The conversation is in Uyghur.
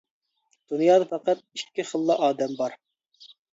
دۇنيادا پەقەت ئىككى خىللا ئادەم بار.